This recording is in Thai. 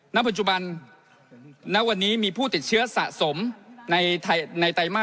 ณปัจจุบันณวันนี้มีผู้ติดเชื้อสะสมในไตรมาส